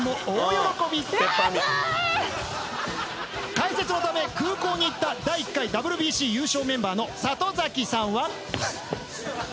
・解説のため空港に行った第１回ＷＢＣ優勝メンバーの里崎さんは。